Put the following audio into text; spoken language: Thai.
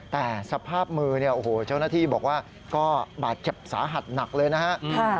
แต่สภาพมือเจ้าหน้าที่บอกว่าก็บาดเจ็บสาหัสหนักเลยนะครับ